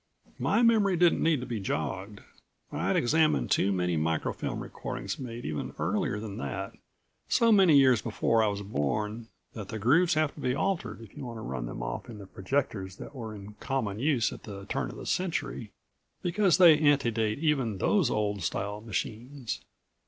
My memory didn't need to be jogged. I'd examined too many micro film recordings made even earlier than that so many years before I was born that the grooves have to be altered if you want to run them off in the projectors that were in common use at the turn of the century, because they ante date even those old style machines.